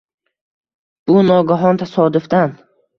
Bu nogahon, tasodifdan